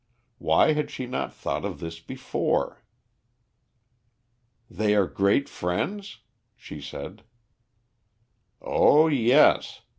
Why had she not thought of this before? "They are great friends?" she said. "Oh, yes.